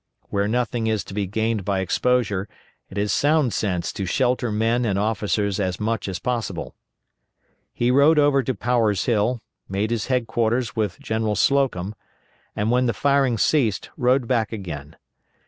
Where nothing is to be gained by exposure it is sound sense to shelter men and officers as much as possible. He rode over to Power's Hill, made his headquarters with General Slocum, and when the firing ceased rode back again.